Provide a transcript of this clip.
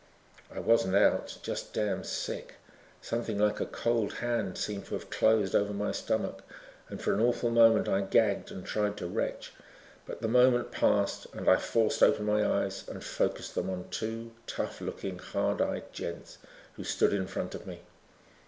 I wasn't out. Just damn sick. Something like a cold hand seemed to have closed over my stomach and for an awful moment I gagged and tried to retch. But the moment passed and I forced open my eyes and focused them on two tough looking, hard eyed gents who stood in front of me.